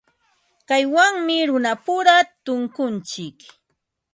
Kaynawmi runapura tunkuntsik.